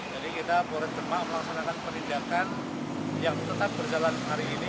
jadi kita polres demak melaksanakan perlindakan yang tetap berjalan hari ini